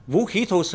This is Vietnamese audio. vũ khí thuốc nổ